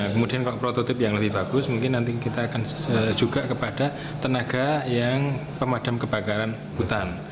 kemudian kalau prototip yang lebih bagus mungkin nanti kita akan juga kepada tenaga yang pemadam kebakaran hutan